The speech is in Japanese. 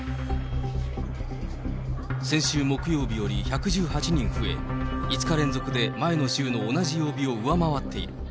先週木曜日より１１８人増え、５日連続で前の週の同じ曜日を上回っている。